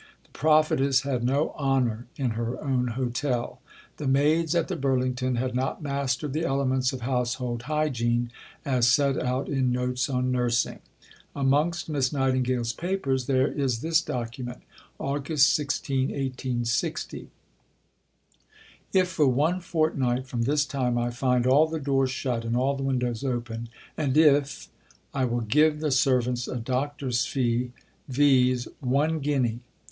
The prophetess had no honour in her own hotel. The maids at the Burlington had not mastered the elements of household hygiene as set out in Notes on Nursing. Amongst Miss Nightingale's papers there is this document: "August 16, 1860. If for one fortnight from this time I find all the doors shut and all the windows open, and if ... I will give the servants a Doctor's Fee, viz. One Guinea.